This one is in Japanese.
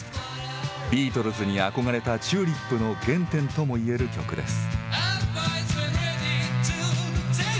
ビートルズに憧れたＴＵＬＩＰの原点ともいえる曲です。